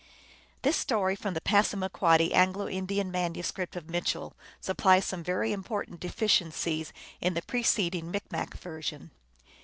This story from the Passamaquoddy Anglo Indian manuscript of Mitchell supplies some very important deficiencies in the preceding Micmac version.